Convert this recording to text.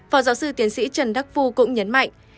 phó giáo sư tiến sĩ trần đắc phu cũng nhấn mạnh